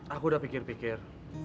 aku udah pikir pikir